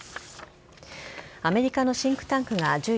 アメリカのシンクタンクが１４日